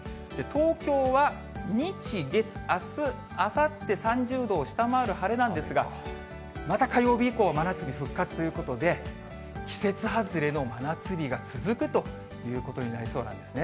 東京は日、月、あす、あさって３０度を下回る晴れなんですが、また火曜日以降、真夏日復活ということで、季節外れの真夏日が続くということになりそうなんですね。